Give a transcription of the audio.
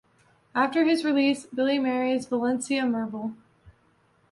After his release, Billy marries Valencia Merble.